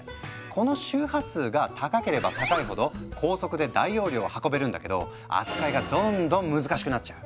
この周波数が高ければ高いほど高速で大容量を運べるんだけど扱いがどんどん難しくなっちゃう。